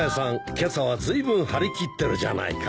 今朝はずいぶん張り切ってるじゃないか。